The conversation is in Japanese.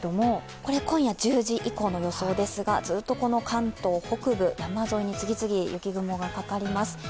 これ今夜１０時以降の予想ですが、ずっと関東北部、山沿いに次々、雪雲がかかります。